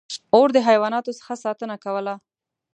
• اور د حیواناتو څخه ساتنه کوله.